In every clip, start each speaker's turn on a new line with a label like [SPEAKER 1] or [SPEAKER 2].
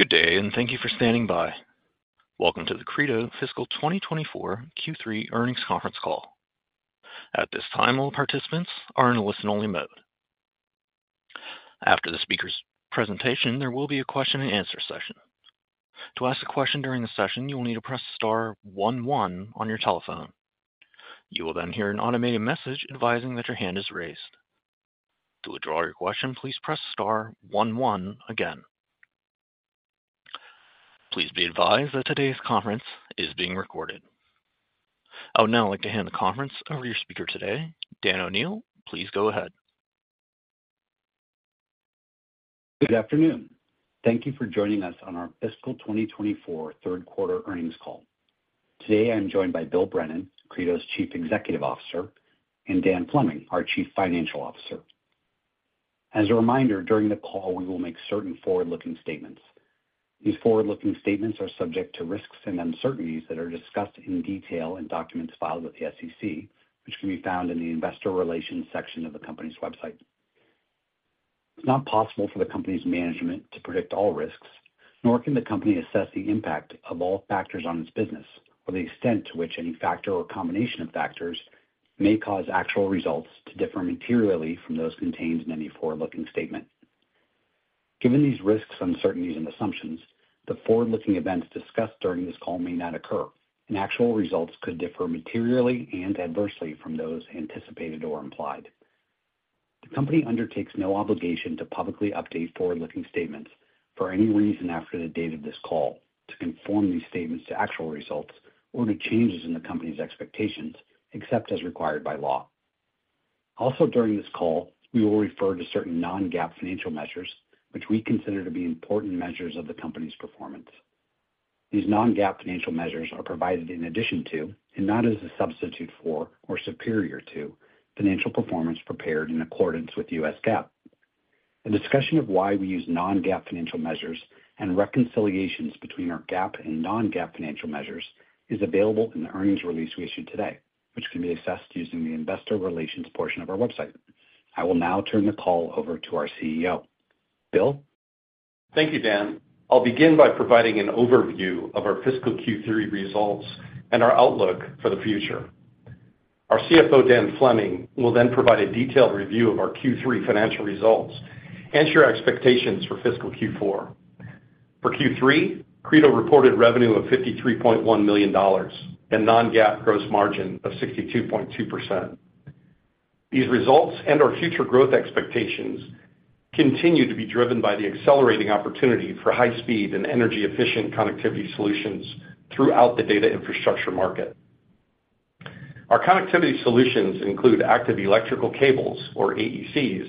[SPEAKER 1] Good day and thank you for standing by. Welcome to the Credo Fiscal 2024 Q3 Earnings Conference Call. At this time, all participants are in a listen-only mode. After the speaker's presentation, there will be a question-and-answer session. To ask a question during the session, you will need to press star one one on your telephone. You will then hear an automated message advising that your hand is raised. To withdraw your question, please press star one one again. Please be advised that today's conference is being recorded. I would now like to hand the conference over to your speaker today, Dan O'Neil. Please go ahead.
[SPEAKER 2] Good afternoon. Thank you for joining us on our Fiscal 2024 third quarter earnings call. Today, I'm joined by Bill Brennan, Credo's Chief Executive Officer, and Dan Fleming, our Chief Financial Officer. As a reminder, during the call, we will make certain forward-looking statements. These forward-looking statements are subject to risks and uncertainties that are discussed in detail in documents filed with the SEC, which can be found in the Investor Relations section of the company's website. It's not possible for the company's management to predict all risks, nor can the company assess the impact of all factors on its business or the extent to which any factor or combination of factors may cause actual results to differ materially from those contained in any forward-looking statement. Given these risks, uncertainties, and assumptions, the forward-looking events discussed during this call may not occur, and actual results could differ materially and adversely from those anticipated or implied. The company undertakes no obligation to publicly update forward-looking statements for any reason after the date of this call to conform these statements to actual results or to changes in the company's expectations, except as required by law. Also, during this call, we will refer to certain non-GAAP financial measures, which we consider to be important measures of the company's performance. These non-GAAP financial measures are provided in addition to and not as a substitute for or superior to financial performance prepared in accordance with U.S. GAAP. A discussion of why we use non-GAAP financial measures and reconciliations between our GAAP and non-GAAP financial measures is available in the earnings release we issued today, which can be accessed using the Investor Relations portion of our website. I will now turn the call over to our CEO. Bill?
[SPEAKER 3] Thank you, Dan. I'll begin by providing an overview of our Fiscal Q3 results and our outlook for the future. Our CFO, Dan Fleming, will then provide a detailed review of our Q3 financial results and your expectations for Fiscal Q4. For Q3, Credo reported revenue of $53.1 million and non-GAAP gross margin of 62.2%. These results and our future growth expectations continue to be driven by the accelerating opportunity for high-speed and energy-efficient connectivity solutions throughout the data infrastructure market. Our connectivity solutions include active electrical cables, or AECs,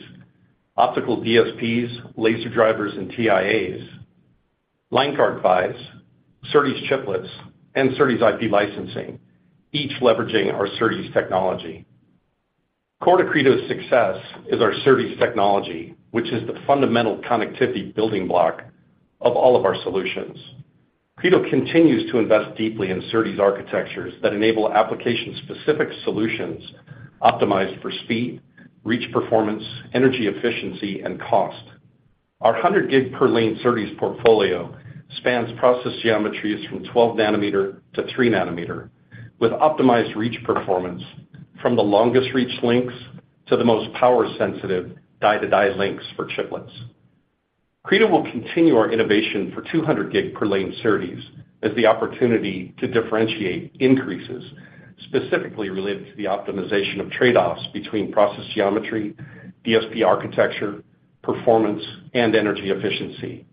[SPEAKER 3] optical DSPs, laser drivers, and TIAs, Line Card PHYs, SerDes chiplets, and SerDes IP licensing, each leveraging our SerDes technology. Core to Credo's success is our SerDes technology, which is the fundamental connectivity building block of all of our solutions. Credo continues to invest deeply in SerDes architectures that enable application-specific solutions optimized for speed, reach performance, energy efficiency, and cost. Our 100G per lane SerDes portfolio spans process geometries from 12 nanometer to 3 nanometer with optimized reach performance from the longest reach links to the most power-sensitive die-to-die links for chiplets. Credo will continue our innovation for 200-gig per lane SerDes as the opportunity to differentiate increases specifically related to the optimization of trade-offs between process geometry, DSP architecture, performance, and energy efficiency.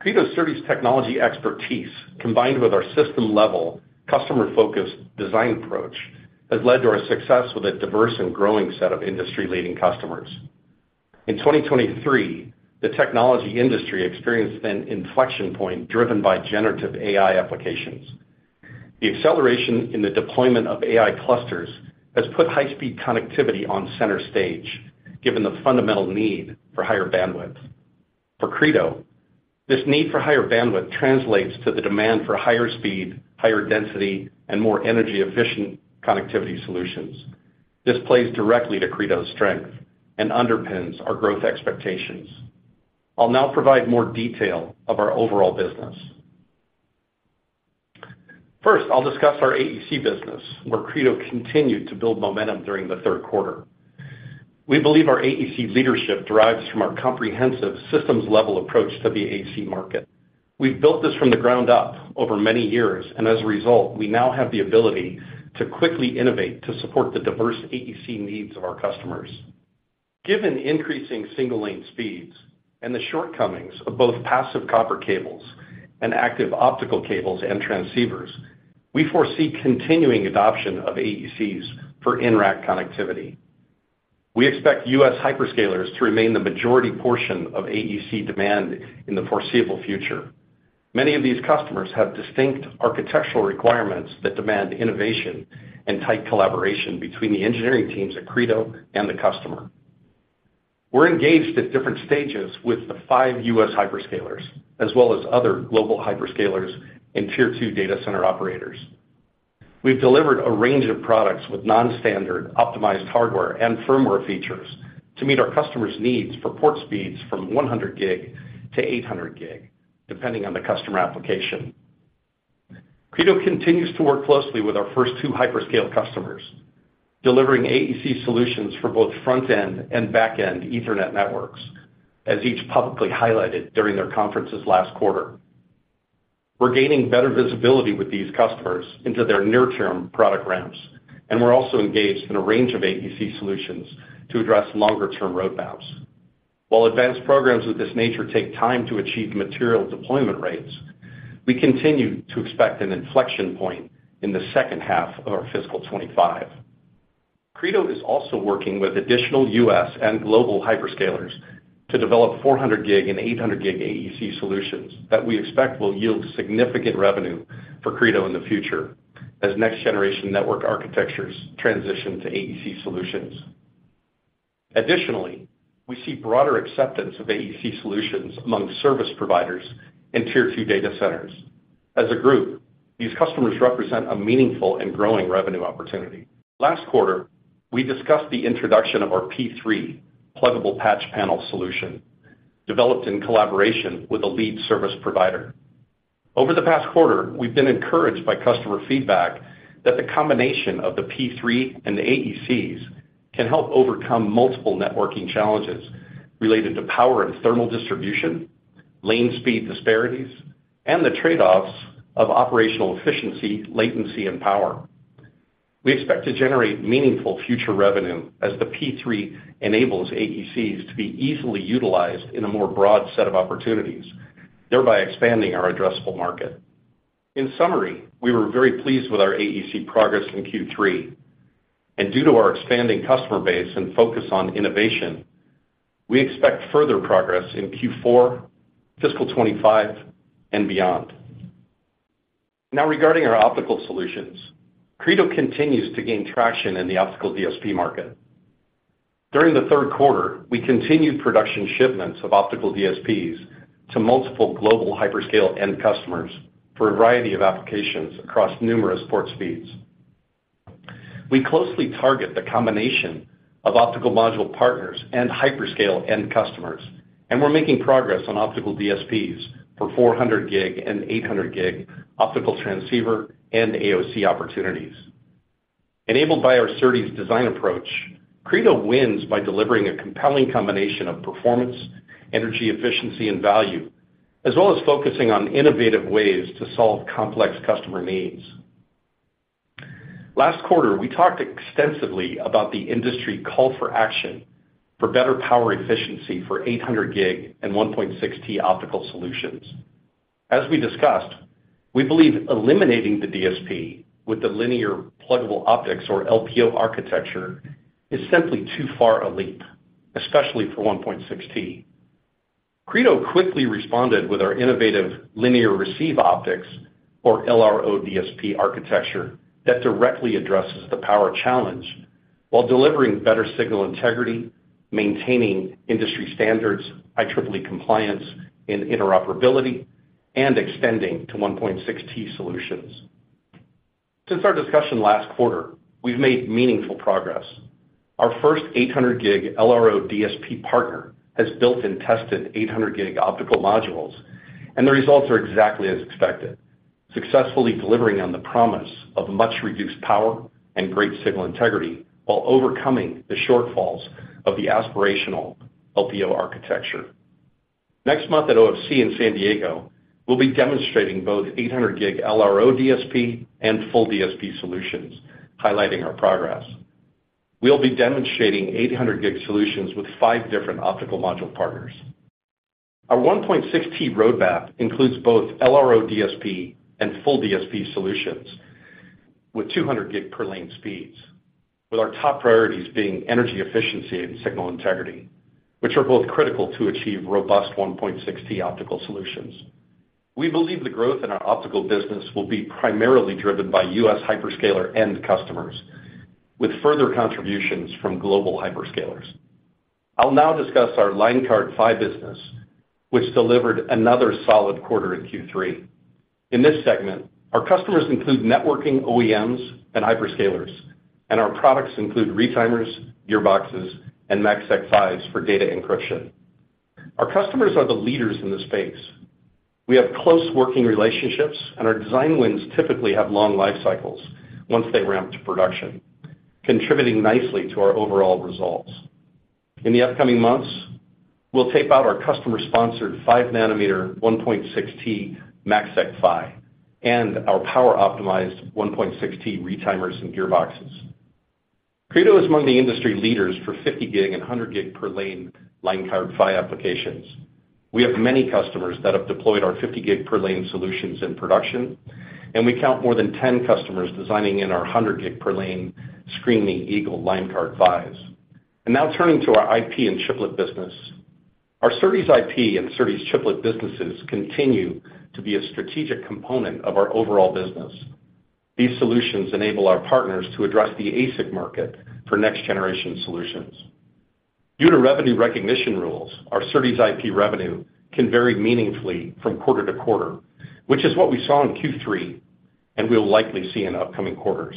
[SPEAKER 3] Credo's SerDes technology expertise, combined with our system-level, customer-focused design approach, has led to our success with a diverse and growing set of industry-leading customers. In 2023, the technology industry experienced an inflection point driven by generative AI applications. The acceleration in the deployment of AI clusters has put high-speed connectivity on center stage given the fundamental need for higher bandwidth. For Credo, this need for higher bandwidth translates to the demand for higher speed, higher density, and more energy-efficient connectivity solutions. This plays directly to Credo's strength and underpins our growth expectations. I'll now provide more detail of our overall business. First, I'll discuss our AEC business, where Credo continued to build momentum during the third quarter. We believe our AEC leadership derives from our comprehensive systems-level approach to the AEC market. We've built this from the ground up over many years, and as a result, we now have the ability to quickly innovate to support the diverse AEC needs of our customers. Given increasing single-lane speeds and the shortcomings of both passive copper cables and active optical cables and transceivers, we foresee continuing adoption of AECs for in-rack connectivity. We expect U.S. hyperscalers to remain the majority portion of AEC demand in the foreseeable future. Many of these customers have distinct architectural requirements that demand innovation and tight collaboration between the engineering teams at Credo and the customer. We're engaged at different stages with the five U.S. hyperscalers, as well as other global hyperscalers and tier-two data center operators. We've delivered a range of products with non-standard optimized hardware and firmware features to meet our customers' needs for port speeds from 100G to 800G, depending on the customer application. Credo continues to work closely with our first two hyperscale customers, delivering AEC solutions for both front-end and back-end Ethernet networks, as each publicly highlighted during their conferences last quarter. We're gaining better visibility with these customers into their near-term product ramps, and we're also engaged in a range of AEC solutions to address longer-term roadmaps. While advanced programs of this nature take time to achieve material deployment rates, we continue to expect an inflection point in the second half of our Fiscal 2025. Credo is also working with additional U.S. and global hyperscalers to develop 400G and 800G AEC solutions that we expect will yield significant revenue for Credo in the future as next-generation network architectures transition to AEC solutions. Additionally, we see broader acceptance of AEC solutions among service providers and tier-two data centers. As a group, these customers represent a meaningful and growing revenue opportunity. Last quarter, we discussed the introduction of our P3 pluggable patch panel solution developed in collaboration with a lead service provider. Over the past quarter, we've been encouraged by customer feedback that the combination of the P3 and the AECs can help overcome multiple networking challenges related to power and thermal distribution, lane speed disparities, and the trade-offs of operational efficiency, latency, and power. We expect to generate meaningful future revenue as the P3 enables AECs to be easily utilized in a more broad set of opportunities, thereby expanding our addressable market. In summary, we were very pleased with our AEC progress in Q3, and due to our expanding customer base and focus on innovation, we expect further progress in Q4, Fiscal 2025, and beyond. Now, regarding our optical solutions, Credo continues to gain traction in the optical DSP market. During the third quarter, we continued production shipments of optical DSPs to multiple global hyperscale end customers for a variety of applications across numerous port speeds. We closely target the combination of optical module partners and hyperscale end customers, and we're making progress on optical DSPs for 400G and 800G optical transceiver and AOC opportunities. Enabled by our SerDes design approach, Credo wins by delivering a compelling combination of performance, energy efficiency, and value, as well as focusing on innovative ways to solve complex customer needs. Last quarter, we talked extensively about the industry call for action for better power efficiency for 800G and 1.6T optical solutions. As we discussed, we believe eliminating the DSP with the linear pluggable optics, or LPO, architecture is simply too far a leap, especially for 1.6T. Credo quickly responded with our innovative linear receive optics, or LRO DSP architecture, that directly addresses the power challenge while delivering better signal integrity, maintaining industry standards, IEEE compliance and interoperability, and extending to 1.6T solutions. Since our discussion last quarter, we've made meaningful progress. Our first 800 gig LRO DSP partner has built and tested 800 gig optical modules, and the results are exactly as expected, successfully delivering on the promise of much reduced power and great signal integrity while overcoming the shortfalls of the aspirational LPO architecture. Next month at OFC in San Diego, we'll be demonstrating both 800G LRO DSP and full DSP solutions, highlighting our progress. We'll be demonstrating 800G solutions with five different optical module partners. Our 1.6T roadmap includes both LRO DSP and full DSP solutions with 200G per lane speeds, with our top priorities being energy efficiency and signal integrity, which are both critical to achieve robust 1.6T optical solutions. We believe the growth in our optical business will be primarily driven by U.S. hyperscaler end customers, with further contributions from global hyperscalers. I'll now discuss our AEC business, which delivered another solid quarter in Q3. In this segment, our customers include networking OEMs and hyperscalers, and our products include retimers, gearboxes, and MACsec PHYs for data encryption. Our customers are the leaders in the space. We have close working relationships, and our design wins typically have long lifecycles once they ramp to production, contributing nicely to our overall results. In the upcoming months, we'll tape out our customer-sponsored 5 nm 1.6T MACsec PHY and our power-optimized 1.6T retimers and gearboxes. Credo is among the industry leaders for 50G and 100G per lane Line Card PHY applications. We have many customers that have deployed our 50G per lane solutions in production, and we count more than 10 customers designing in our 100G per lane Screaming Eagle Line Card PHYs. Now turning to our IP and chiplet business. Our SerDes IP and SerDes chiplet businesses continue to be a strategic component of our overall business. These solutions enable our partners to address the ASIC market for next-generation solutions. Due to revenue recognition rules, our SerDes IP revenue can vary meaningfully from quarter to quarter, which is what we saw in Q3 and will likely see in upcoming quarters.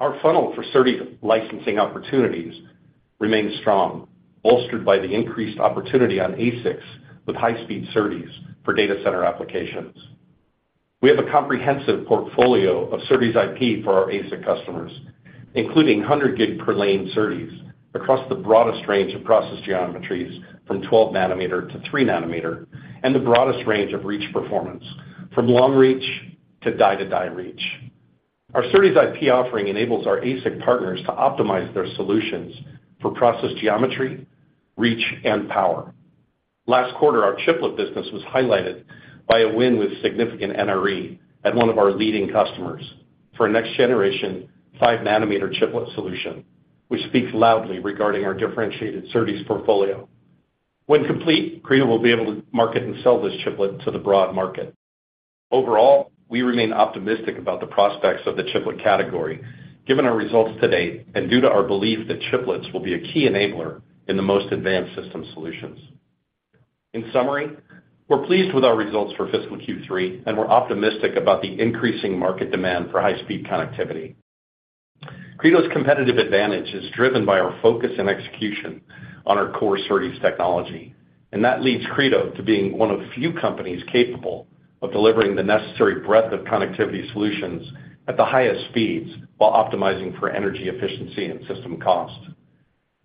[SPEAKER 3] Our funnel for SerDes licensing opportunities remains strong, bolstered by the increased opportunity on ASICs with high-speed SerDes for data center applications. We have a comprehensive portfolio of SerDes IP for our ASIC customers, including 100G per lane SerDes across the broadest range of process geometries from 12 nm to 3 nm and the broadest range of reach performance from long reach to die-to-die reach. Our SerDes IP offering enables our ASIC partners to optimize their solutions for process geometry, reach, and power. Last quarter, our chiplet business was highlighted by a win with significant NRE at one of our leading customers for a next-generation five-nanometer chiplet solution, which speaks loudly regarding our differentiated SerDes portfolio. When complete, Credo will be able to market and sell this chiplet to the broad market. Overall, we remain optimistic about the prospects of the chiplet category given our results to date and due to our belief that chiplets will be a key enabler in the most advanced system solutions. In summary, we're pleased with our results for Fiscal Q3, and we're optimistic about the increasing market demand for high-speed connectivity. Credo's competitive advantage is driven by our focus and execution on our core SerDes technology, and that leads Credo to being one of few companies capable of delivering the necessary breadth of connectivity solutions at the highest speeds while optimizing for energy efficiency and system cost.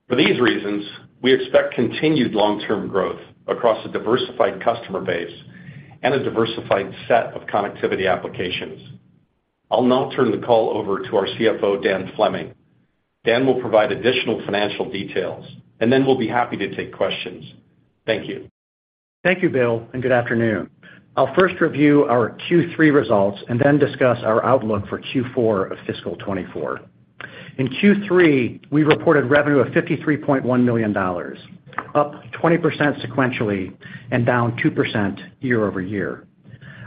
[SPEAKER 3] For these reasons, we expect continued long-term growth across a diversified customer base and a diversified set of connectivity applications. I'll now turn the call over to our CFO, Dan Fleming. Dan will provide additional financial details, and then we'll be happy to take questions. Thank you.
[SPEAKER 4] Thank you, Bill, and good afternoon. I'll first review our Q3 results and then discuss our outlook for Q4 of Fiscal 2024. In Q3, we reported revenue of $53.1 million, up 20% sequentially and down 2% year-over-year.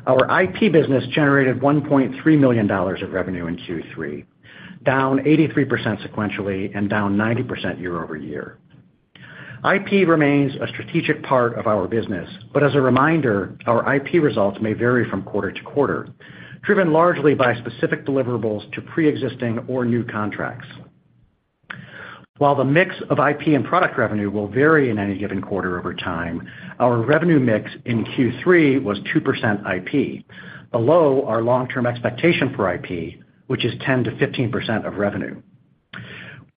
[SPEAKER 4] Our IP business generated $1.3 million of revenue in Q3, down 83% sequentially and down 90% year-over-year. IP remains a strategic part of our business, but as a reminder, our IP results may vary from quarter to quarter, driven largely by specific deliverables to pre-existing or new contracts. While the mix of IP and product revenue will vary in any given quarter over time, our revenue mix in Q3 was 2% IP, below our long-term expectation for IP, which is 10%-15% of revenue.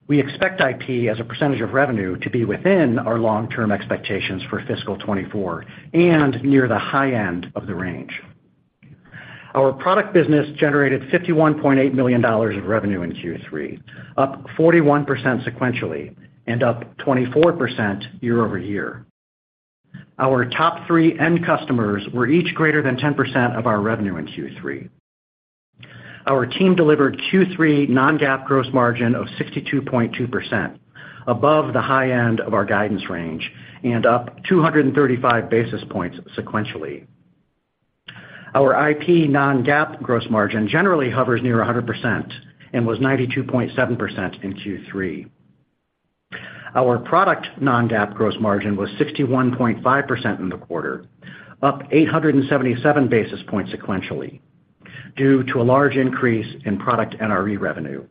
[SPEAKER 4] We expect IP as a percentage of revenue to be within our long-term expectations for Fiscal 2024 and near the high end of the range. Our product business generated $51.8 million of revenue in Q3, up 41% sequentially and up 24% year-over-year. Our top three end customers were each greater than 10% of our revenue in Q3. Our team delivered Q3 non-GAAP gross margin of 62.2%, above the high end of our guidance range and up 235 basis points sequentially. Our IP non-GAAP gross margin generally hovers near 100% and was 92.7% in Q3. Our product non-GAAP gross margin was 61.5% in the quarter, up 877 basis points sequentially due to a large increase in product NRE revenue,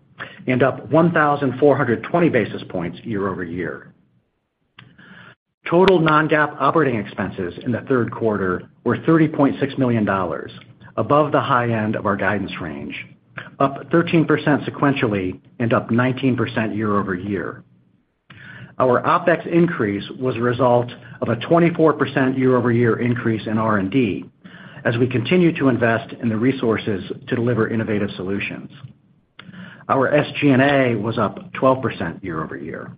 [SPEAKER 4] and up 1,420 basis points year-over-year. Total non-GAAP operating expenses in the third quarter were $30.6 million, above the high end of our guidance range, up 13% sequentially and up 19% year-over-year. Our OPEX increase was a result of a 24% year-over-year increase in R&D as we continue to invest in the resources to deliver innovative solutions. Our SG&A was up 12% year-over-year.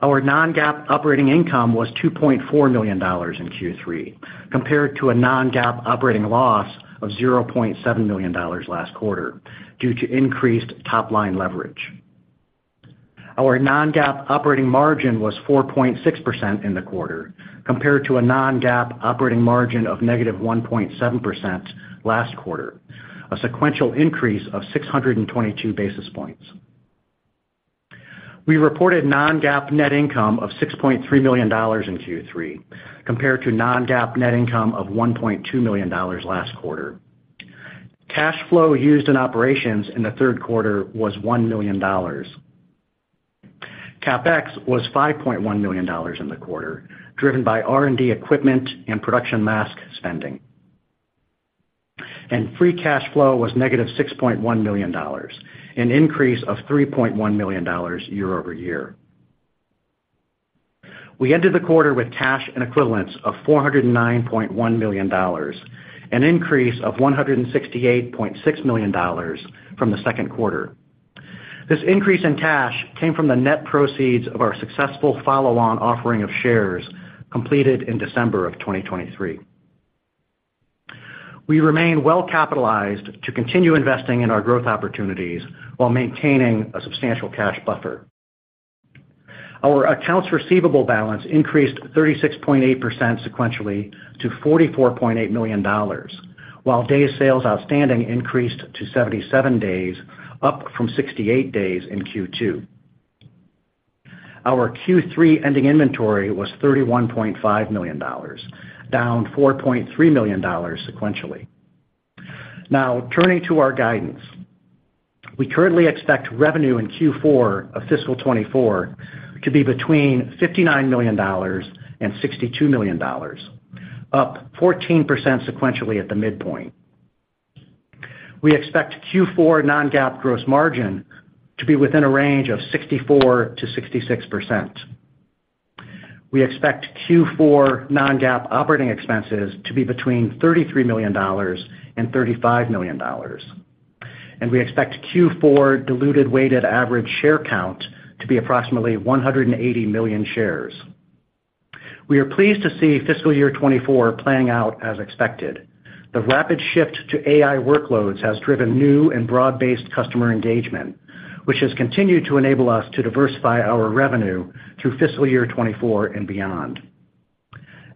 [SPEAKER 4] Our non-GAAP operating income was $2.4 million in Q3 compared to a non-GAAP operating loss of $0.7 million last quarter due to increased top-line leverage. Our non-GAAP operating margin was 4.6% in the quarter compared to a non-GAAP operating margin of negative 1.7% last quarter, a sequential increase of 622 basis points. We reported non-GAAP net income of $6.3 million in Q3 compared to non-GAAP net income of $1.2 million last quarter. Cash flow used in operations in the third quarter was $1 million. CapEx was $5.1 million in the quarter, driven by R&D equipment and production mask spending. Free cash flow was negative $6.1 million, an increase of $3.1 million year-over-year. We ended the quarter with cash and equivalents of $409.1 million, an increase of $168.6 million from the second quarter. This increase in cash came from the net proceeds of our successful follow-on offering of shares completed in December of 2023. We remain well-capitalized to continue investing in our growth opportunities while maintaining a substantial cash buffer. Our accounts receivable balance increased 36.8% sequentially to $44.8 million, while day sales outstanding increased to 77 days, up from 68 days in Q2. Our Q3 ending inventory was $31.5 million, down $4.3 million sequentially. Now, turning to our guidance, we currently expect revenue in Q4 of Fiscal 2024 to be between $59 million and $62 million, up 14% sequentially at the midpoint. We expect Q4 non-GAAP gross margin to be within a range of 64%-66%. We expect Q4 non-GAAP operating expenses to be between $33 million and $35 million, and we expect Q4 diluted weighted average share count to be approximately 180 million shares. We are pleased to see Fiscal Year 2024 playing out as expected. The rapid shift to AI workloads has driven new and broad-based customer engagement, which has continued to enable us to diversify our revenue through Fiscal Year 2024 and beyond.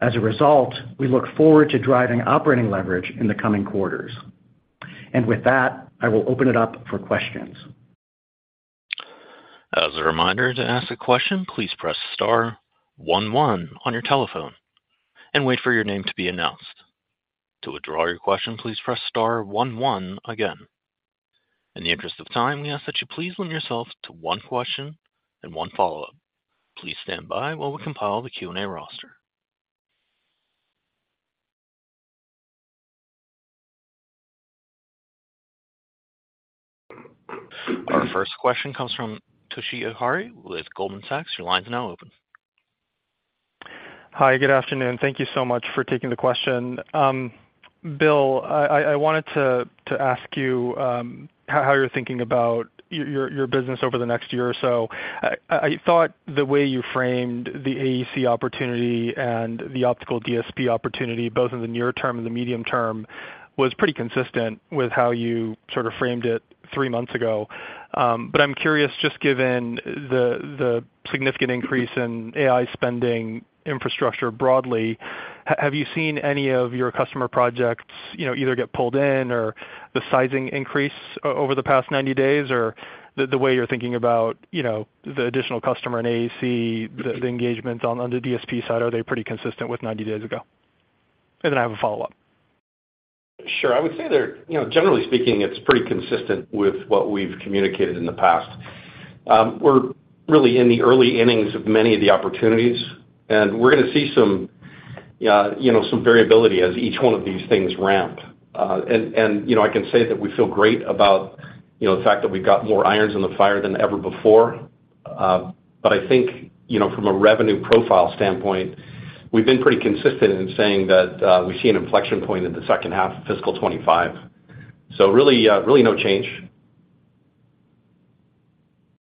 [SPEAKER 4] As a result, we look forward to driving operating leverage in the coming quarters. With that, I will open it up for questions.
[SPEAKER 1] As a reminder to ask a question, please press star one one on your telephone and wait for your name to be announced. To withdraw your question, please press star one one again. In the interest of time, we ask that you please limit yourself to one question and one follow-up. Please stand by while we compile the Q&A roster. Our first question comes from Toshiya Hari with Goldman Sachs. Your line's now open.
[SPEAKER 5] Hi. Good afternoon. Thank you so much for taking the question. Bill, I wanted to ask you how you're thinking about your business over the next year or so. I thought the way you framed the AEC opportunity and the optical DSP opportunity, both in the near term and the medium term, was pretty consistent with how you sort of framed it three months ago. But I'm curious, just given the significant increase in AI spending infrastructure broadly, have you seen any of your customer projects either get pulled in or the sizing increase over the past 90 days? Or the way you're thinking about the additional customer in AEC, the engagements on the DSP side, are they pretty consistent with 90 days ago? And then I have a follow-up.
[SPEAKER 3] Sure. I would say that, generally speaking, it's pretty consistent with what we've communicated in the past. We're really in the early innings of many of the opportunities, and we're going to see some variability as each one of these things ramp. I can say that we feel great about the fact that we've got more irons in the fire than ever before. I think from a revenue profile standpoint, we've been pretty consistent in saying that we see an inflection point in the second half of Fiscal 2025. Really no change.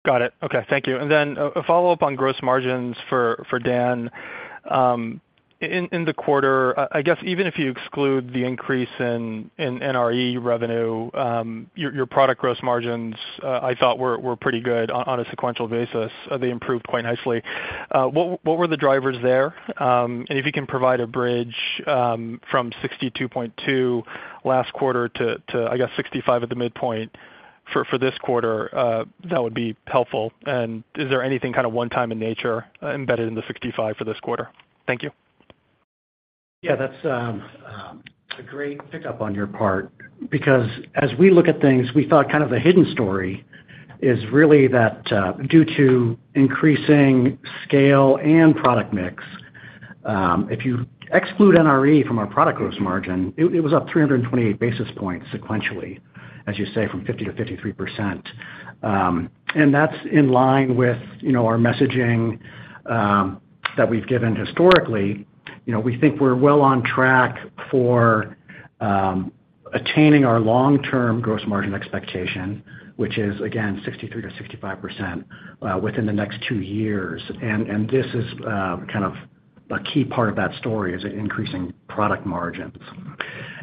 [SPEAKER 5] Got it. Okay. Thank you. And then a follow-up on gross margins for Dan. In the quarter, I guess even if you exclude the increase in NRE revenue, your product gross margins, I thought, were pretty good on a sequential basis. They improved quite nicely. What were the drivers there? And if you can provide a bridge from 62.2 last quarter to, I guess, 65 at the midpoint for this quarter, that would be helpful. And is there anything kind of one-time in nature embedded in the 65 for this quarter? Thank you.
[SPEAKER 4] Yeah. That's a great pickup on your part because as we look at things, we thought kind of the hidden story is really that due to increasing scale and product mix, if you exclude NRE from our product gross margin, it was up 328 basis points sequentially, as you say, from 50%-53%. And that's in line with our messaging that we've given historically. We think we're well on track for attaining our long-term gross margin expectation, which is, again, 63%-65% within the next two years. And this is kind of a key part of that story is increasing product margins.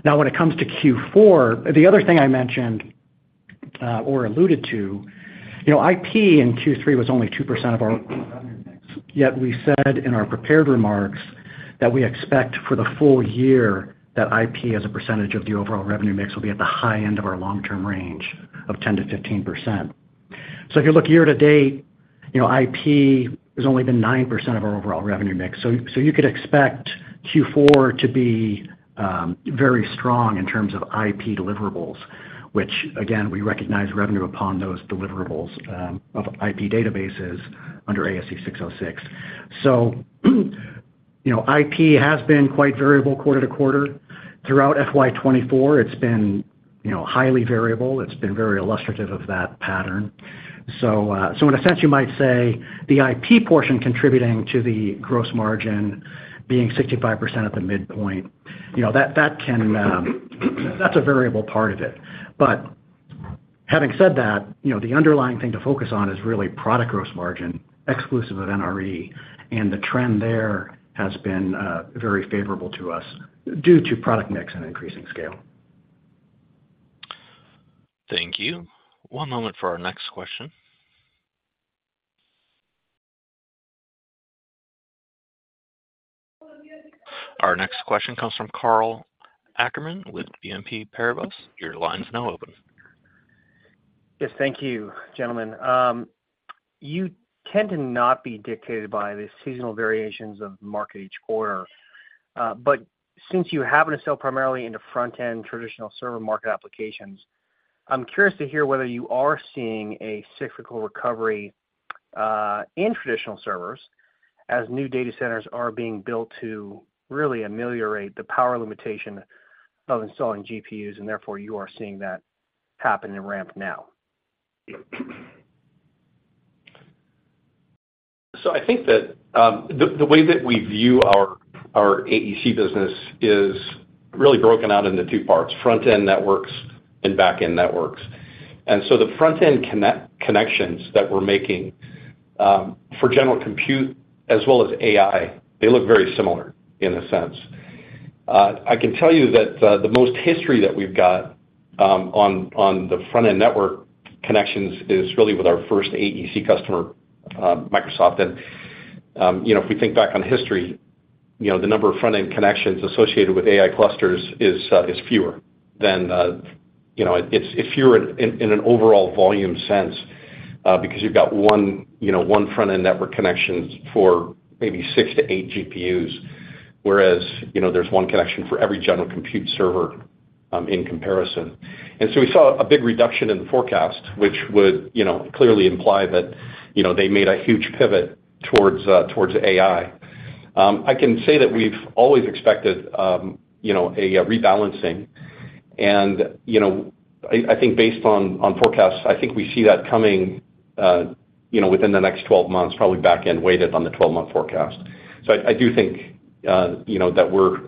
[SPEAKER 4] Now, when it comes to Q4, the other thing I mentioned or alluded to, IP in Q3 was only 2% of our revenue mix, yet we said in our prepared remarks that we expect for the full year that IP as a percentage of the overall revenue mix will be at the high end of our long-term range of 10%-15%. So if you look year to date, IP has only been 9% of our overall revenue mix. So you could expect Q4 to be very strong in terms of IP deliverables, which, again, we recognize revenue upon those deliverables of IP databases under ASC 606. So IP has been quite variable quarter to quarter. Throughout FY2024, it's been highly variable. It's been very illustrative of that pattern. In a sense, you might say the IP portion contributing to the gross margin being 65% at the midpoint, that's a variable part of it. Having said that, the underlying thing to focus on is really product gross margin exclusive of NRE, and the trend there has been very favorable to us due to product mix and increasing scale.
[SPEAKER 1] Thank you. One moment for our next question. Our next question comes from Karl Ackerman with BNP Paribas. Your line's now open.
[SPEAKER 6] Yes. Thank you, gentlemen. You tend to not be dictated by the seasonal variations of market each quarter. But since you happen to sell primarily into front-end traditional server market applications, I'm curious to hear whether you are seeing a cyclical recovery in traditional servers as new data centers are being built to really ameliorate the power limitation of installing GPUs, and therefore, you are seeing that happen and ramp now.
[SPEAKER 3] So I think that the way that we view our AEC business is really broken out into two parts: front-end networks and back-end networks. And so the front-end connections that we're making for general compute as well as AI, they look very similar in a sense. I can tell you that the most history that we've got on the front-end network connections is really with our first AEC customer, Microsoft. And if we think back on history, the number of front-end connections associated with AI clusters is fewer than it's fewer in an overall volume sense because you've got one front-end network connection for maybe 6-8 GPUs, whereas there's one connection for every general compute server in comparison. And so we saw a big reduction in the forecast, which would clearly imply that they made a huge pivot towards AI. I can say that we've always expected a rebalancing. I think based on forecasts, I think we see that coming within the next 12 months, probably back-end weighted on the 12-month forecast. So I do think that we're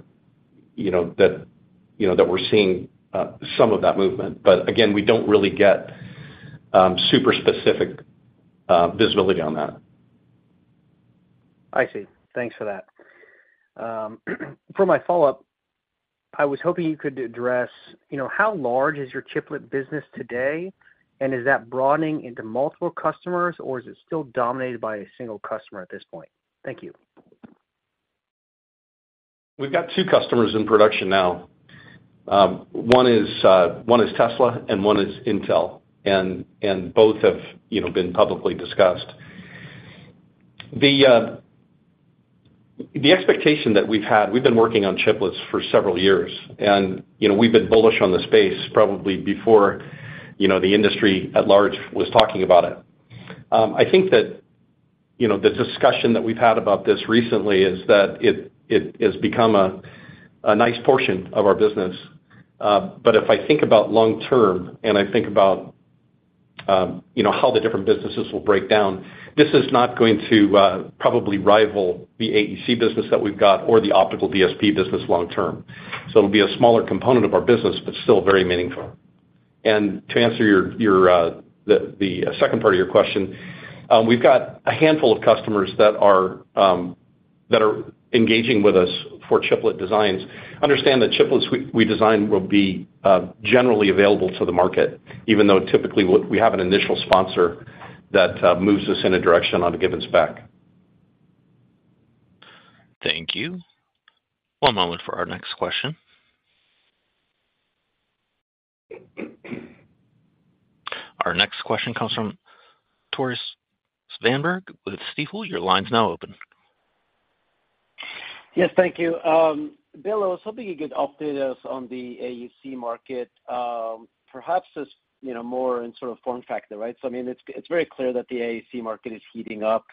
[SPEAKER 3] seeing some of that movement. But again, we don't really get super specific visibility on that.
[SPEAKER 6] I see. Thanks for that. For my follow-up, I was hoping you could address how large is your chiplet business today, and is that broadening into multiple customers, or is it still dominated by a single customer at this point? Thank you.
[SPEAKER 3] We've got two customers in production now. One is Tesla, and one is Intel, and both have been publicly discussed. The expectation that we've had, we've been working on chiplets for several years, and we've been bullish on the space probably before the industry at large was talking about it. I think that the discussion that we've had about this recently is that it has become a nice portion of our business. But if I think about long-term, and I think about how the different businesses will break down, this is not going to probably rival the AEC business that we've got or the optical DSP business long-term. So it'll be a smaller component of our business but still very meaningful. And to answer the second part of your question, we've got a handful of customers that are engaging with us for chiplet designs. Understand that chiplets we design will be generally available to the market, even though typically, we have an initial sponsor that moves us in a direction on a given spec.
[SPEAKER 1] Thank you. One moment for our next question. Our next question comes from Tore Svanberg with Stifel. Your line's now open.
[SPEAKER 7] Yes. Thank you. Bill, I was hoping you could update us on the AEC market, perhaps more in sort of form factor, right? So I mean, it's very clear that the AEC market is heating up.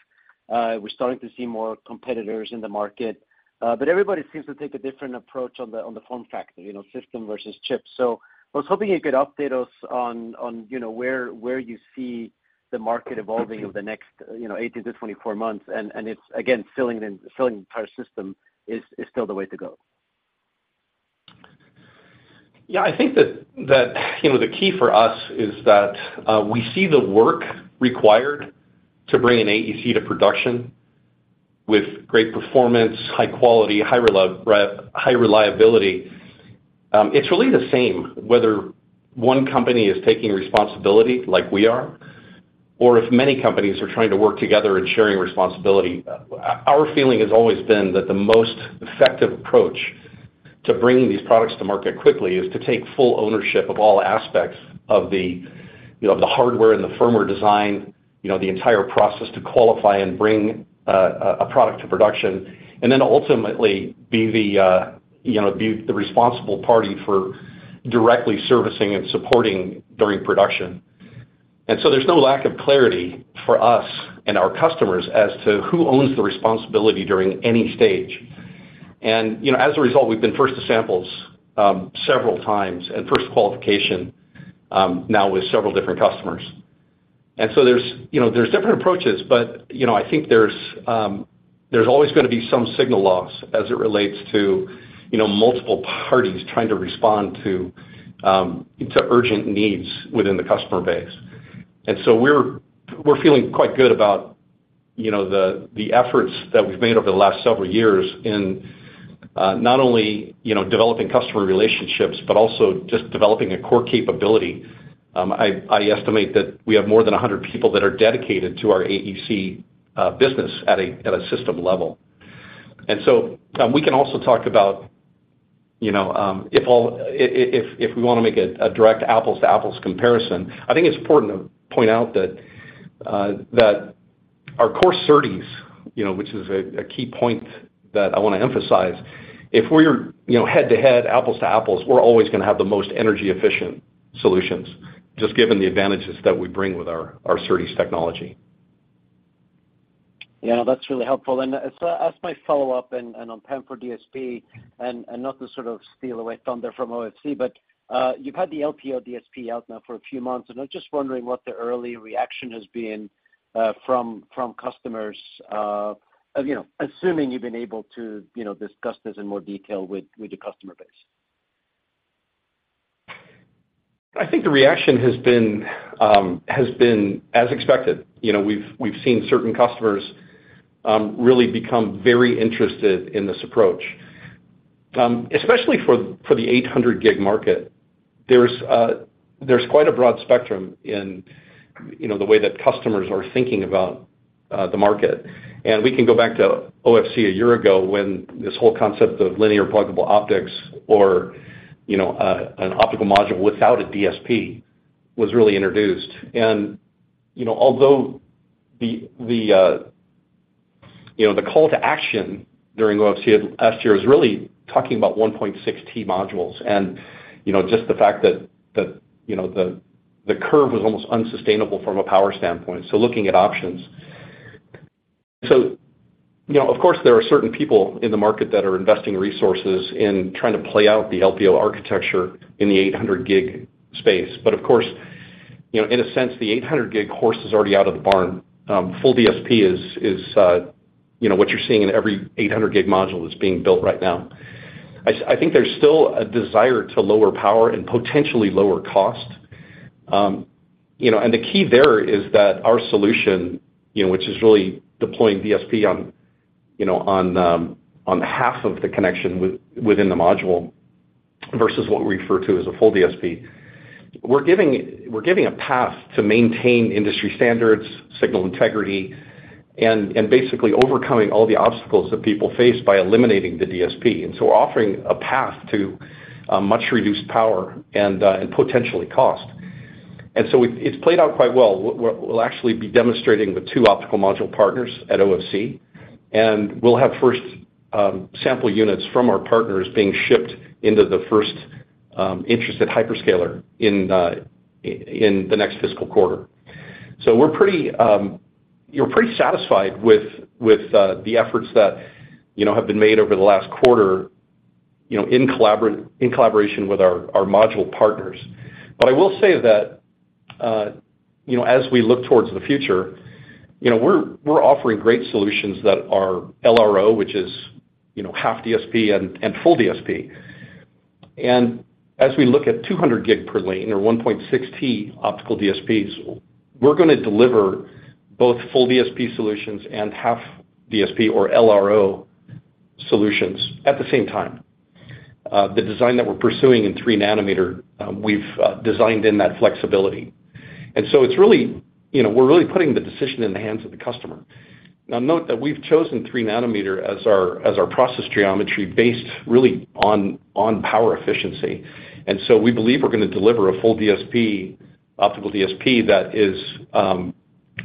[SPEAKER 7] We're starting to see more competitors in the market. But everybody seems to take a different approach on the form factor, system versus chip. So I was hoping you could update us on where you see the market evolving over the next 18-24 months. And again, filling the entire system is still the way to go.
[SPEAKER 3] Yeah. I think that the key for us is that we see the work required to bring an AEC to production with great performance, high quality, high reliability. It's really the same, whether one company is taking responsibility like we are or if many companies are trying to work together and sharing responsibility. Our feeling has always been that the most effective approach to bringing these products to market quickly is to take full ownership of all aspects of the hardware and the firmware design, the entire process to qualify and bring a product to production, and then ultimately be the responsible party for directly servicing and supporting during production. And so there's no lack of clarity for us and our customers as to who owns the responsibility during any stage. And as a result, we've been first to samples several times and first qualification now with several different customers. There's different approaches, but I think there's always going to be some signal loss as it relates to multiple parties trying to respond to urgent needs within the customer base. We're feeling quite good about the efforts that we've made over the last several years in not only developing customer relationships but also just developing a core capability. I estimate that we have more than 100 people that are dedicated to our AEC business at a system level. We can also talk about if we want to make a direct apples-to-apples comparison. I think it's important to point out that our core SerDes, which is a key point that I want to emphasize, if we're head-to-head, apples-to-apples, we're always going to have the most energy-efficient solutions just given the advantages that we bring with our SerDes technology.
[SPEAKER 7] Yeah. That's really helpful. And as my follow-up, on PAM4 DSP and not to sort of steal away thunder from OFC, but you've had the LPO DSP out now for a few months, and I'm just wondering what the early reaction has been from customers, assuming you've been able to discuss this in more detail with your customer base.
[SPEAKER 3] I think the reaction has been as expected. We've seen certain customers really become very interested in this approach. Especially for the 800G market, there's quite a broad spectrum in the way that customers are thinking about the market. We can go back to OFC a year ago when this whole concept of linear pluggable optics or an optical module without a DSP was really introduced. Although the call to action during OFC last year was really talking about 1.6T modules and just the fact that the curve was almost unsustainable from a power standpoint, so looking at options. Of course, there are certain people in the market that are investing resources in trying to play out the LPO architecture in the 800G space. But of course, in a sense, the 800G horse is already out of the barn. Full DSP is what you're seeing in every 800G module that's being built right now. I think there's still a desire to lower power and potentially lower cost. The key there is that our solution, which is really deploying DSP on half of the connection within the module versus what we refer to as a full DSP, we're giving a path to maintain industry standards, signal integrity, and basically overcoming all the obstacles that people face by eliminating the DSP. So we're offering a path to much reduced power and potentially cost. So it's played out quite well. We'll actually be demonstrating with two optical module partners at OFC. We'll have first sample units from our partners being shipped into the first interested hyperscaler in the next fiscal quarter. So we're pretty satisfied with the efforts that have been made over the last quarter in collaboration with our module partners. But I will say that as we look towards the future, we're offering great solutions that are LRO, which is half DSP and full DSP. And as we look at 200G per lane or 1.6T optical DSPs, we're going to deliver both full DSP solutions and half DSP or LRO solutions at the same time. The design that we're pursuing in 3nm, we've designed in that flexibility. And so it's really we're really putting the decision in the hands of the customer. Now, note that we've chosen 3nm as our process geometry based really on power efficiency. And so we believe we're going to deliver a full DSP, optical DSP that is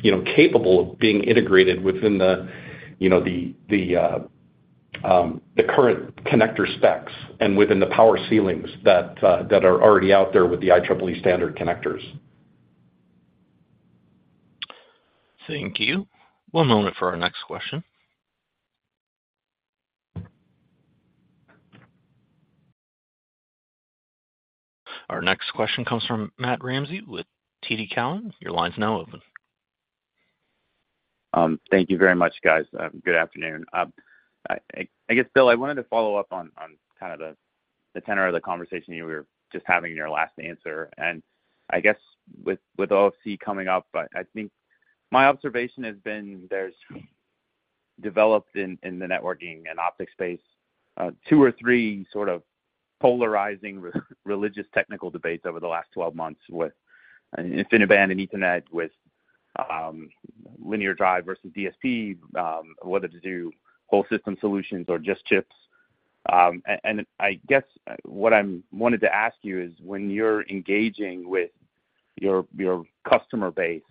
[SPEAKER 3] capable of being integrated within the current connector specs and within the power ceilings that are already out there with the IEEE standard connectors.
[SPEAKER 1] Thank you. One moment for our next question. Our next question comes from Matt Ramsay with TD Cowen. Your line's now open.
[SPEAKER 8] Thank you very much, guys. Good afternoon. I guess, Bill, I wanted to follow up on kind of the tenor of the conversation you were just having in your last answer. I guess with OFC coming up, I think my observation has been there's developed in the networking and optics space two or three sort of polarizing religious technical debates over the last 12 months with InfiniBand and Ethernet, with linear drive versus DSP, whether to do whole system solutions or just chips. I guess what I wanted to ask you is when you're engaging with your customer base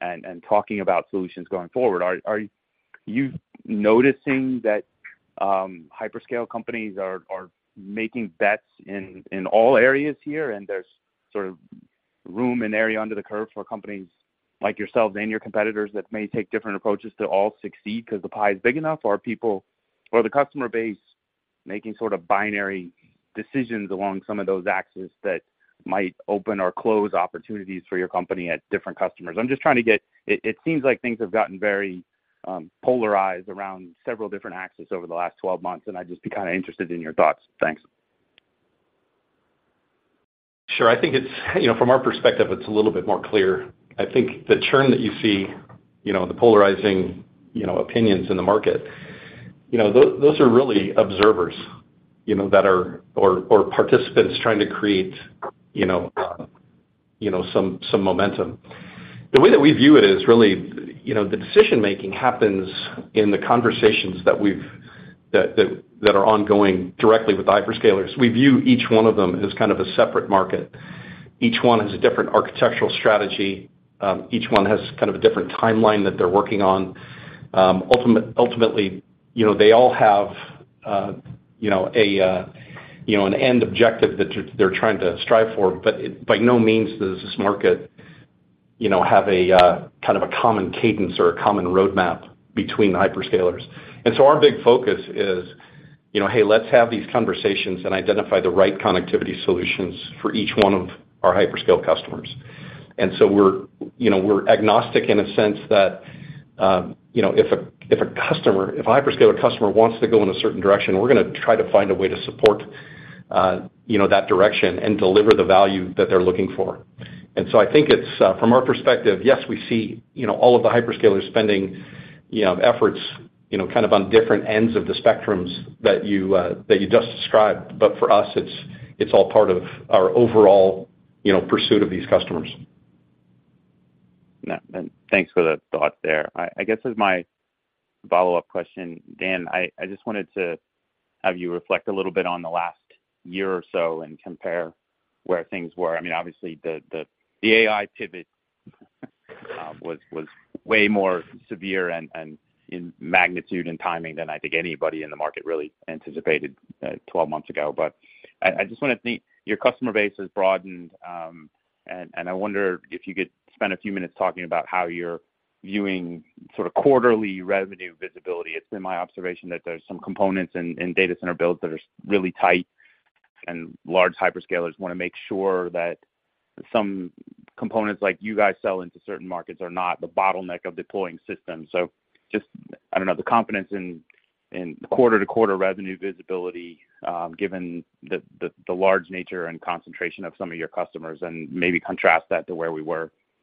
[SPEAKER 8] and talking about solutions going forward, are you noticing that hyperscale companies are making bets in all areas here, and there's sort of room and area under the curve for companies like yourselves and your competitors that may take different approaches to all succeed because the pie is big enough, or are the customer base making sort of binary decisions along some of those axes that might open or close opportunities for your company at different customers? I'm just trying to get it seems like things have gotten very polarized around several different axes over the last 12 months, and I'd just be kind of interested in your thoughts. Thanks.
[SPEAKER 3] Sure. I think from our perspective, it's a little bit more clear. I think the churn that you see, the polarizing opinions in the market, those are really observers that are or participants trying to create some momentum. The way that we view it is really the decision-making happens in the conversations that are ongoing directly with the hyperscalers. We view each one of them as kind of a separate market. Each one has a different architectural strategy. Each one has kind of a different timeline that they're working on. Ultimately, they all have an end objective that they're trying to strive for, but by no means does this market have kind of a common cadence or a common roadmap between the hyperscalers. Our big focus is, "Hey, let's have these conversations and identify the right connectivity solutions for each one of our hyperscale customers." We're agnostic in a sense that if a hyperscale customer wants to go in a certain direction, we're going to try to find a way to support that direction and deliver the value that they're looking for. I think from our perspective, yes, we see all of the hyperscalers spending efforts kind of on different ends of the spectrum that you just described. But for us, it's all part of our overall pursuit of these customers.
[SPEAKER 8] Thanks for the thought there. I guess as my follow-up question, Dan, I just wanted to have you reflect a little bit on the last year or so and compare where things were. I mean, obviously, the AI pivot was way more severe in magnitude and timing than I think anybody in the market really anticipated 12 months ago. But I just want to think your customer base has broadened. And I wonder if you could spend a few minutes talking about how you're viewing sort of quarterly revenue visibility. It's been my observation that there's some components in data center builds that are really tight, and large hyperscalers want to make sure that some components like you guys sell into certain markets are not the bottleneck of deploying systems. Just, I don't know, the confidence in quarter-to-quarter revenue visibility, given the large nature and concentration of some of your customers, and maybe contrast that to where we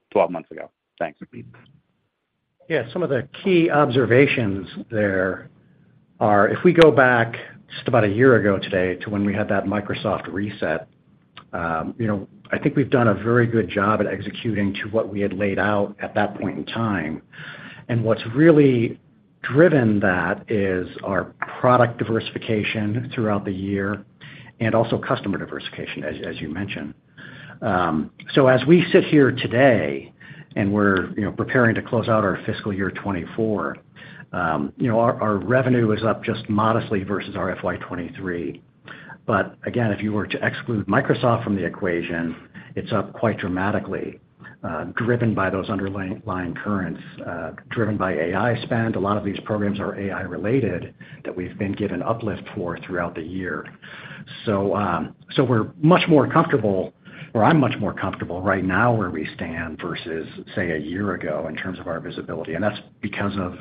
[SPEAKER 8] were 12 months ago? Thanks.
[SPEAKER 4] Yeah. Some of the key observations there are if we go back just about a year ago today to when we had that Microsoft reset, I think we've done a very good job at executing to what we had laid out at that point in time. What's really driven that is our product diversification throughout the year and also customer diversification, as you mentioned. As we sit here today and we're preparing to close out our fiscal year 2024, our revenue is up just modestly versus our FY 2023. But again, if you were to exclude Microsoft from the equation, it's up quite dramatically, driven by those underlying currents, driven by AI spend. A lot of these programs are AI-related that we've been given uplift for throughout the year. We're much more comfortable or I'm much more comfortable right now where we stand versus, say, a year ago in terms of our visibility. That's because of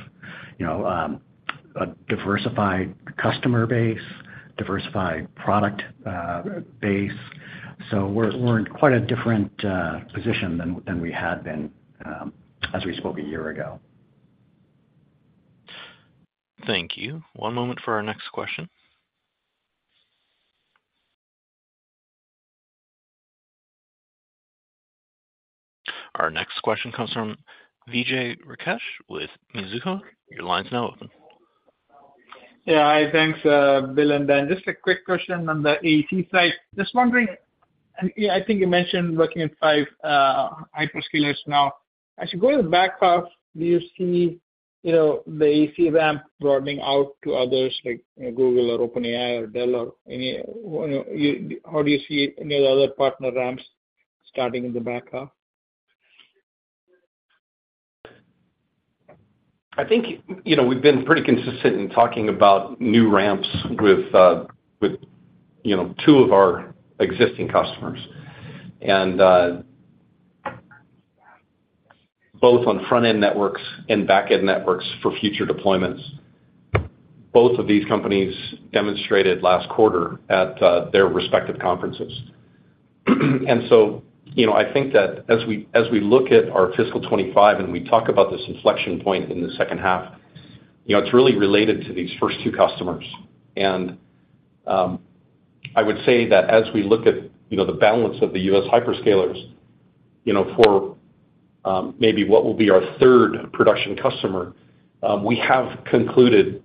[SPEAKER 4] a diversified customer base, diversified product base. We're in quite a different position than we had been as we spoke a year ago.
[SPEAKER 1] Thank you. One moment for our next question. Our next question comes from Vijay Rakesh with Mizuho. Your line's now open.
[SPEAKER 9] Yeah. Hi. Thanks, Bill and Dan. Just a quick question on the AEC side. Just wondering, and I think you mentioned working with five hyperscalers now. As you go in the back half, do you see the AEC ramp broadening out to others like Google or OpenAI or Dell, or any? How do you see any of the other partner ramps starting in the back half?
[SPEAKER 3] I think we've been pretty consistent in talking about new ramps with two of our existing customers, and both on front-end networks and back-end networks for future deployments. Both of these companies demonstrated last quarter at their respective conferences. And so I think that as we look at our fiscal 2025 and we talk about this inflection point in the second half, it's really related to these first two customers. And I would say that as we look at the balance of the U.S. hyperscalers for maybe what will be our third production customer, we have concluded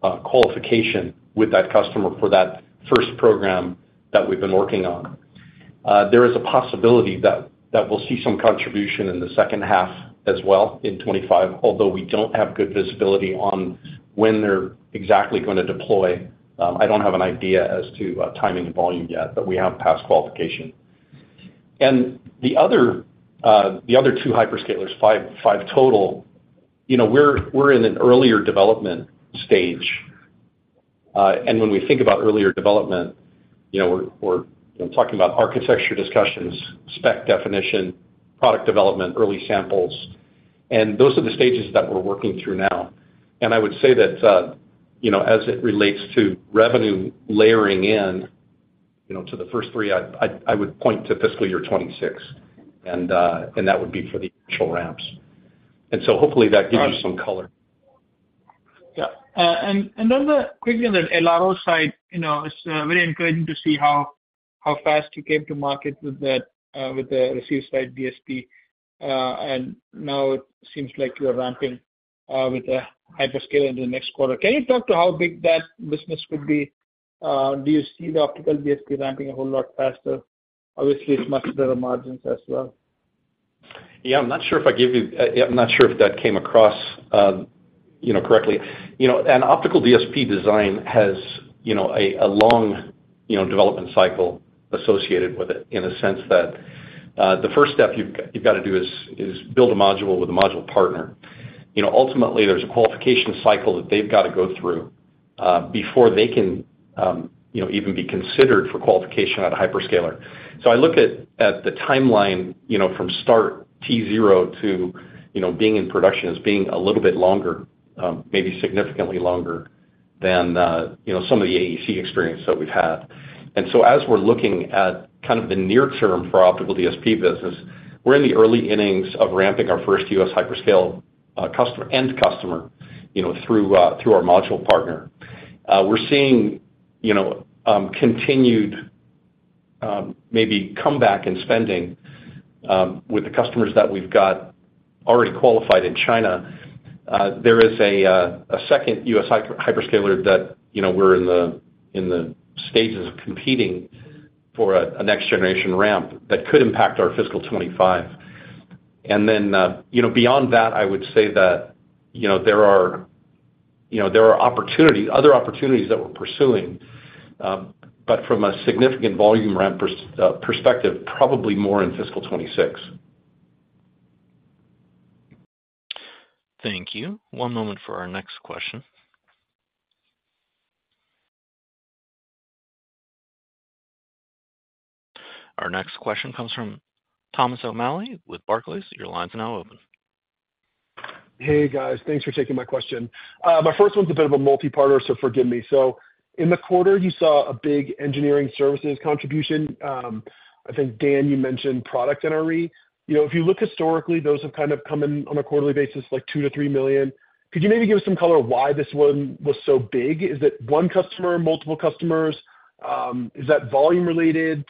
[SPEAKER 3] qualification with that customer for that first program that we've been working on. There is a possibility that we'll see some contribution in the second half as well in 2025, although we don't have good visibility on when they're exactly going to deploy. I don't have an idea as to timing and volume yet, but we have passed qualification. The other two hyperscalers, five total, we're in an earlier development stage. When we think about earlier development, we're talking about architecture discussions, spec definition, product development, early samples. Those are the stages that we're working through now. I would say that as it relates to revenue layering in to the first three, I would point to fiscal year 2026, and that would be for the initial RAMs. So hopefully, that gives you some color.
[SPEAKER 9] Yeah. And then quickly on the LRO side, it's very encouraging to see how fast you came to market with the receive-side DSP. And now it seems like you're ramping with a hyperscaler in the next quarter. Can you talk to how big that business could be? Do you see the optical DSP ramping a whole lot faster? Obviously, it's much better margins as well.
[SPEAKER 3] Yeah. I'm not sure if that came across correctly. An Optical DSP design has a long development cycle associated with it in a sense that the first step you've got to do is build a module with a module partner. Ultimately, there's a qualification cycle that they've got to go through before they can even be considered for qualification at a hyperscaler. So I look at the timeline from start T0 to being in production as being a little bit longer, maybe significantly longer than some of the AEC experience that we've had. And so as we're looking at kind of the near-term for Optical DSP business, we're in the early innings of ramping our first U.S. hyperscale end customer through our module partner. We're seeing continued maybe comeback in spending with the customers that we've got already qualified in China. There is a second US hyperscaler that we're in the stages of competing for a next-generation RAM that could impact our fiscal 2025. Then beyond that, I would say that there are other opportunities that we're pursuing, but from a significant volume RAM perspective, probably more in fiscal 2026.
[SPEAKER 1] Thank you. One moment for our next question. Our next question comes from Thomas O'Malley with Barclays. Your line's now open.
[SPEAKER 10] Hey, guys. Thanks for taking my question. My first one's a bit of a multi-part, so forgive me. So in the quarter, you saw a big engineering services contribution. I think, Dan, you mentioned product NRE. If you look historically, those have kind of come in on a quarterly basis like $2 million-$3 million. Could you maybe give us some color why this one was so big? Is it one customer, multiple customers? Is that volume-related? And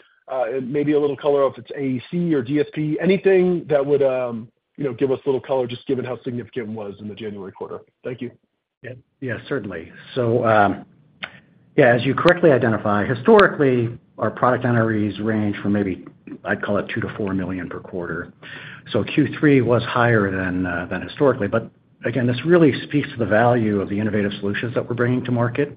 [SPEAKER 10] maybe a little color if it's AEC or DSP, anything that would give us a little color just given how significant it was in the January quarter? Thank you.
[SPEAKER 4] Yeah. Certainly. So yeah, as you correctly identify, historically, our product NREs range from maybe I'd call it $2 million-$4 million per quarter. So Q3 was higher than historically. But again, this really speaks to the value of the innovative solutions that we're bringing to market.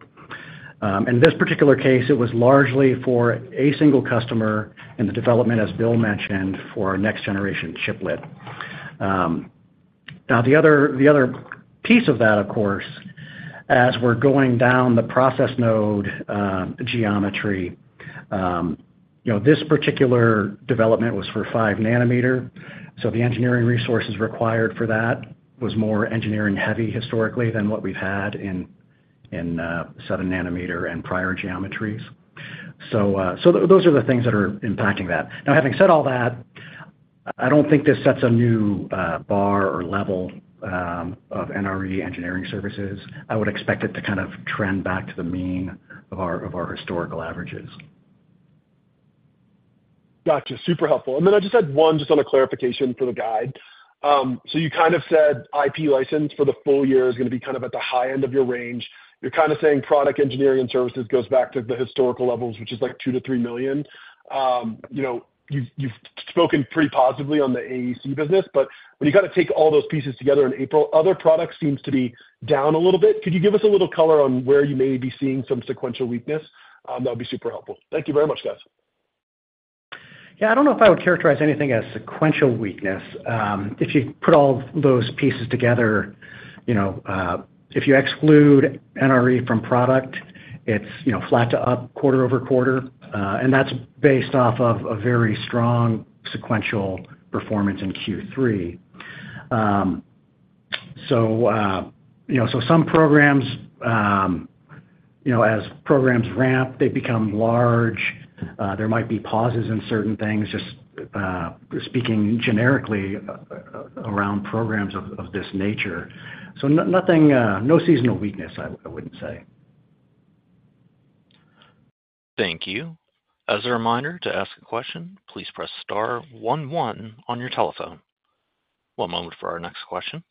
[SPEAKER 4] In this particular case, it was largely for a single customer in the development, as Bill mentioned, for our next-generation chiplet. Now, the other piece of that, of course, as we're going down the process node geometry, this particular development was for 5-nanometer. So the engineering resources required for that was more engineering-heavy historically than what we've had in 7-nanometer and prior geometries. So those are the things that are impacting that. Now, having said all that, I don't think this sets a new bar or level of NRE engineering services. I would expect it to kind of trend back to the mean of our historical averages.
[SPEAKER 10] Gotcha. Super helpful. And then I just had one just on a clarification for the guide. So you kind of said IP license for the full year is going to be kind of at the high end of your range. You're kind of saying product engineering and services goes back to the historical levels, which is like $2 million-$3 million. You've spoken pretty positively on the AEC business. But when you kind of take all those pieces together in April, other products seem to be down a little bit. Could you give us a little color on where you may be seeing some sequential weakness? That would be super helpful. Thank you very much, guys.
[SPEAKER 4] Yeah. I don't know if I would characterize anything as sequential weakness. If you put all those pieces together, if you exclude NRE from product, it's flat to up quarter-over-quarter. And that's based off of a very strong sequential performance in Q3. So some programs, as programs ramp, they become large. There might be pauses in certain things, just speaking generically around programs of this nature. So no seasonal weakness, I wouldn't say.
[SPEAKER 1] Thank you. As a reminder to ask a question, please press star one one on your telephone. One moment for our next question.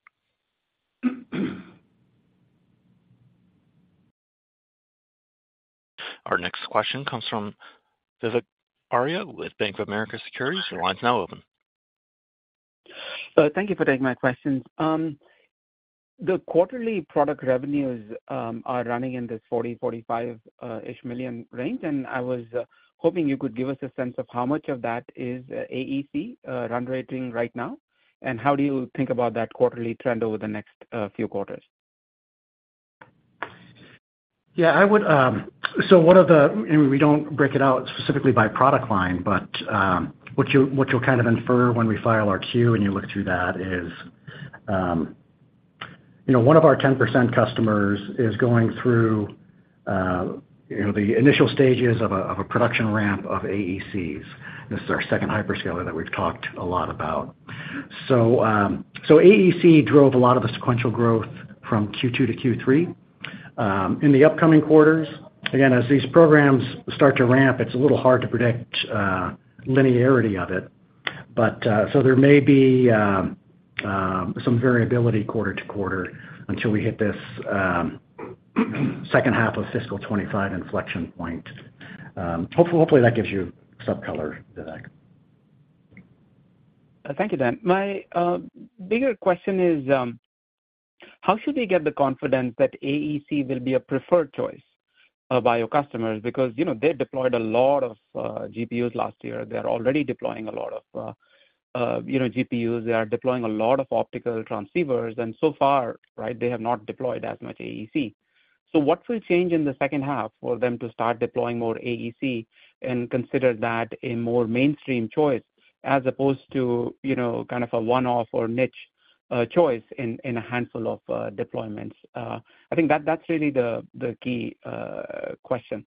[SPEAKER 1] Our next question comes from Vivek Arya with Bank of America Securities. Your line's now open.
[SPEAKER 11] Thank you for taking my questions. The quarterly product revenues are running in this $40-$45-ish million range. I was hoping you could give us a sense of how much of that is AEC run rate right now, and how do you think about that quarterly trend over the next few quarters?
[SPEAKER 4] Yeah. So, one of the, I mean, we don't break it out specifically by product line, but what you'll kind of infer when we file our 10-Q and you look through that is one of our 10% customers is going through the initial stages of a production ramp of AECs. This is our second hyperscaler that we've talked a lot about. So AEC drove a lot of the sequential growth from Q2 to Q3. In the upcoming quarters, again, as these programs start to ramp, it's a little hard to predict linearity of it. So there may be some variability quarter to quarter until we hit this second half of fiscal 2025 inflection point. Hopefully, that gives you some color to that.
[SPEAKER 11] Thank you, Dan. My bigger question is, how should we get the confidence that AEC will be a preferred choice by your customers? Because they deployed a lot of GPUs last year. They're already deploying a lot of GPUs. They are deploying a lot of optical transceivers. And so far, right, they have not deployed as much AEC. So what will change in the second half for them to start deploying more AEC and consider that a more mainstream choice as opposed to kind of a one-off or niche choice in a handful of deployments? I think that's really the key question.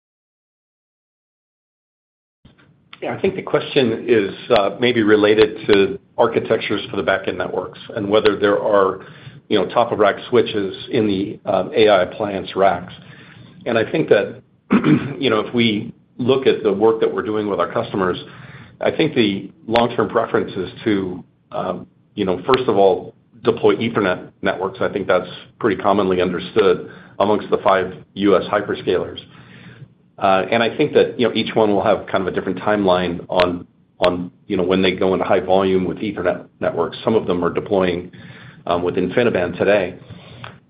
[SPEAKER 3] Yeah. I think the question is maybe related to architectures for the back-end networks and whether there are top-of-rack switches in the AI appliance racks. I think that if we look at the work that we're doing with our customers, I think the long-term preference is to, first of all, deploy Ethernet networks. I think that's pretty commonly understood amongst the five US hyperscalers. I think that each one will have kind of a different timeline on when they go into high volume with Ethernet networks. Some of them are deploying with InfiniBand today.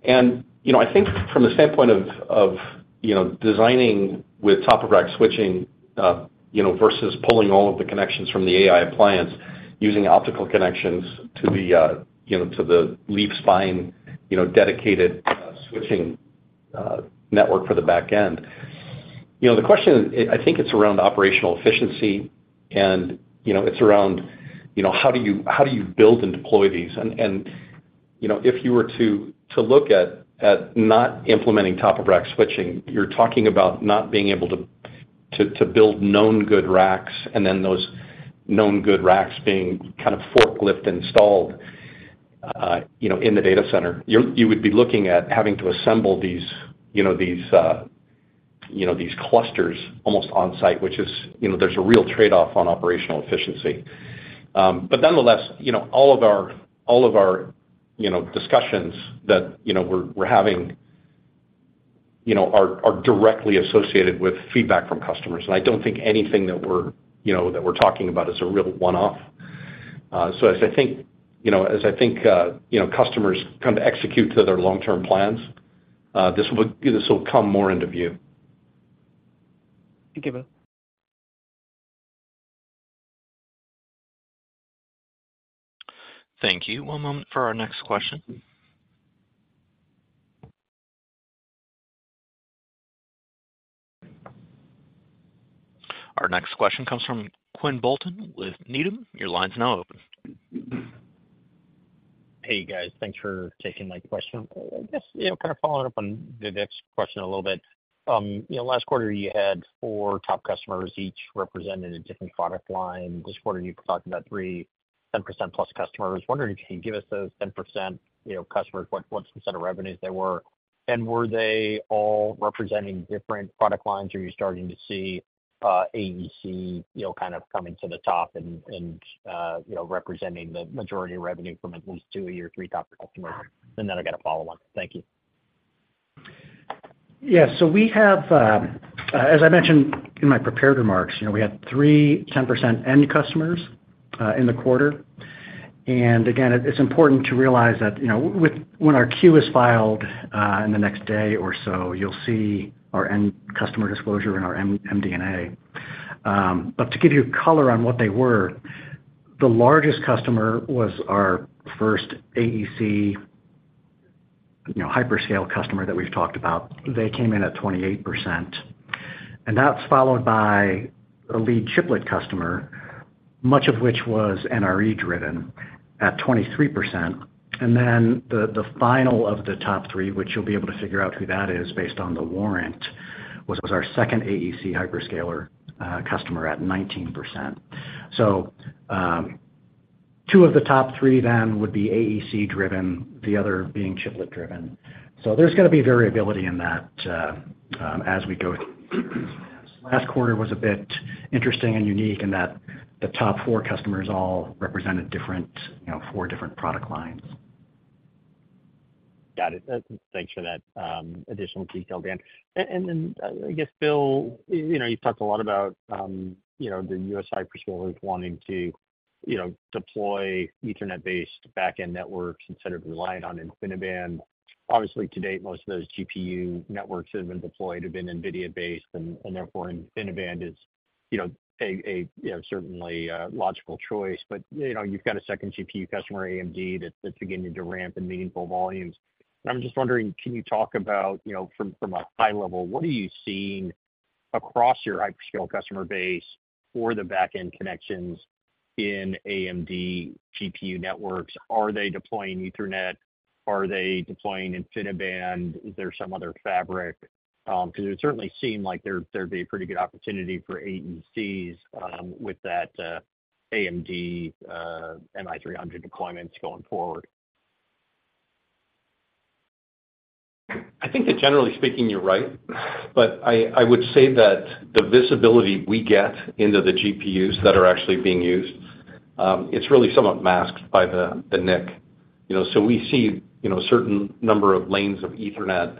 [SPEAKER 3] I think from the standpoint of designing with top-of-rack switching versus pulling all of the connections from the AI appliance, using optical connections to the Leaf-Spine dedicated switching network for the back end, the question I think it's around operational efficiency, and it's around how do you build and deploy these? If you were to look at not implementing top-of-rack switching, you're talking about not being able to build known good racks, and then those known good racks being kind of forklift installed in the data center. You would be looking at having to assemble these clusters almost on-site, which is there's a real trade-off on operational efficiency. Nonetheless, all of our discussions that we're having are directly associated with feedback from customers. I don't think anything that we're talking about is a real one-off. As I think customers come to execute to their long-term plans, this will come more into view.
[SPEAKER 11] Thank you, Bill.
[SPEAKER 3] Thank you. One moment for our next question. Our next question comes from Quinn Bolton with Needham. Your line's now open.
[SPEAKER 12] Hey, guys. Thanks for taking my question. I guess kind of following up on the next question a little bit. Last quarter, you had four top customers each representing a different product line. This quarter, you've talked about three, 10%+ customers. Wondering if you can give us those 10% customers, what percent of revenues they were. And were they all representing different product lines, or are you starting to see AEC kind of coming to the top and representing the majority of revenue from at least two or three top customers? And then I've got a follow-on. Thank you.
[SPEAKER 4] Yeah. So as I mentioned in my prepared remarks, we had three 10% end customers in the quarter. And again, it's important to realize that when our 10-Q is filed in the next day or so, you'll see our end customer disclosure in our MD&A. But to give you color on what they were, the largest customer was our first AEC hyperscale customer that we've talked about. They came in at 28%. And that's followed by a lead chiplet customer, much of which was NRE-driven at 23%. And then the final of the top three, which you'll be able to figure out who that is based on the warrant, was our second AEC hyperscaler customer at 19%. So two of the top three then would be AEC-driven, the other being chiplet-driven. So there's going to be variability in that as we go through. Last quarter was a bit interesting and unique in that the top four customers all represented four different product lines.
[SPEAKER 12] Got it. Thanks for that additional detail, Dan. And then I guess, Bill, you've talked a lot about the U.S. hyperscalers wanting to deploy Ethernet-based back-end networks instead of relying on InfiniBand. Obviously, to date, most of those GPU networks that have been deployed have been NVIDIA-based, and therefore, InfiniBand is certainly a logical choice. But you've got a second GPU customer, AMD, that's beginning to ramp in meaningful volumes. And I'm just wondering, can you talk about from a high level, what are you seeing across your hyperscale customer base for the back-end connections in AMD GPU networks? Are they deploying Ethernet? Are they deploying InfiniBand? Is there some other fabric? Because it certainly seemed like there'd be a pretty good opportunity for AECs with that AMD MI300 deployments going forward.
[SPEAKER 3] I think that generally speaking, you're right. But I would say that the visibility we get into the GPUs that are actually being used, it's really somewhat masked by the mix. So we see a certain number of lanes of Ethernet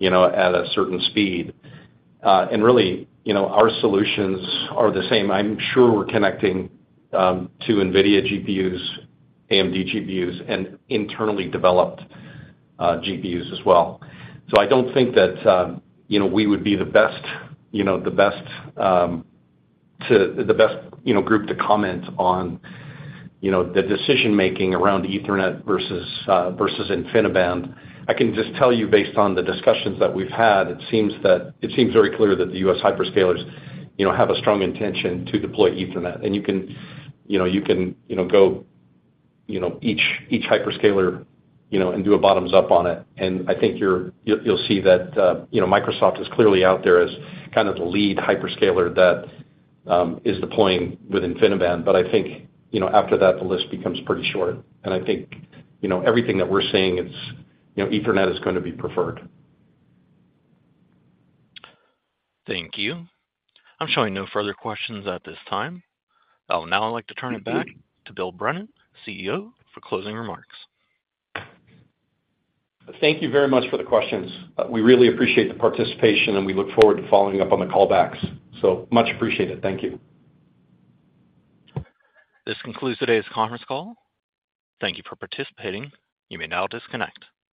[SPEAKER 3] at a certain speed. And really, our solutions are the same. I'm sure we're connecting to NVIDIA GPUs, AMD GPUs, and internally developed GPUs as well. So I don't think that we would be the best of the best group to comment on the decision-making around Ethernet versus InfiniBand. I can just tell you based on the discussions that we've had, it seems very clear that the U.S. hyperscalers have a strong intention to deploy Ethernet. And you can go each hyperscaler and do a bottoms-up on it. I think you'll see that Microsoft is clearly out there as kind of the lead hyperscaler that is deploying with InfiniBand. But I think after that, the list becomes pretty short. I think everything that we're saying, Ethernet is going to be preferred.
[SPEAKER 1] Thank you. I'm showing no further questions at this time. Now, I'd like to turn it back to Bill Brennan, CEO, for closing remarks.
[SPEAKER 13] Thank you very much for the questions. We really appreciate the participation, and we look forward to following up on the callbacks. So much appreciated. Thank you.
[SPEAKER 1] This concludes today's conference call. Thank you for participating. You may now disconnect.